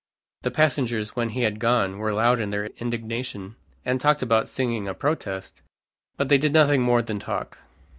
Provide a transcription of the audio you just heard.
The passengers, when he had gone, were loud in their indignation, and talked about signing a protest, but they did nothing more than talk.